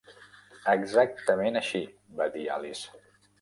"Exactament així", va dir Alice.